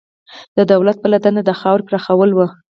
د دولت بله دنده د خاورې پراخول وو.